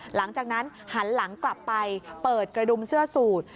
หลังจากนั้นหันหลังกลับไปเปิดกระดุมเสื้อสูตร